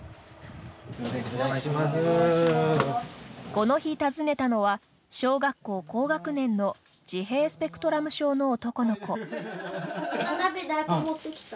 この日訪ねたのは小学校高学年の自閉スペクトラム症の男の子。